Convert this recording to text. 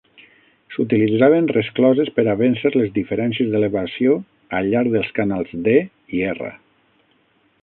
S'utilitzaven rescloses per a vèncer les diferències d'elevació al llarg dels canals D i R.